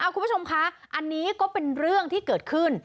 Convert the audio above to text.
คุณผู้ชมคะอันนี้ก็เป็นเรื่องที่เกิดขึ้น